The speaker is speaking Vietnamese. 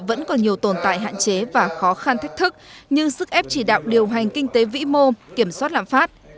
vẫn còn nhiều tồn tại hạn chế và khó khăn thách thức như sức ép chỉ đạo điều hành kinh tế vĩ mô kiểm soát lãm phát